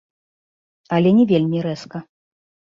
Але не вельмі рэзка.